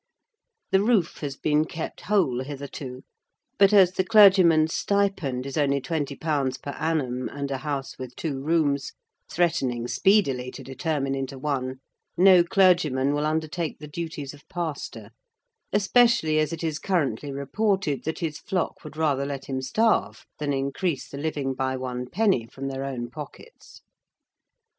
The roof has been kept whole hitherto; but as the clergyman's stipend is only twenty pounds per annum, and a house with two rooms, threatening speedily to determine into one, no clergyman will undertake the duties of pastor: especially as it is currently reported that his flock would rather let him starve than increase the living by one penny from their own pockets.